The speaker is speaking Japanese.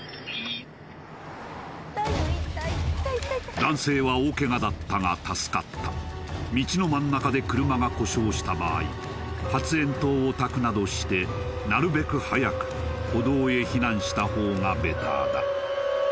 男性は大ケガだったが助かった道の真ん中で車が故障した場合発煙筒をたくなどしてなるべく早く歩道へ避難したほうがベターだ